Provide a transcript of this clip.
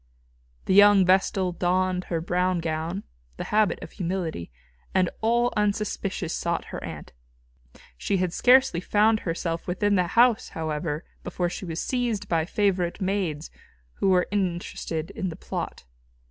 The young vestal donned her brown gown, the habit of humility, and all unsuspicious sought her aunt. She had scarcely found herself within the house, however, before she was seized by favourite maids, who were interested in the plot.